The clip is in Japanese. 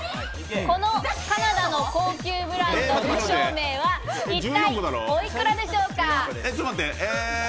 このカナダの高級ブランドの照明は一体お幾らでしょうか？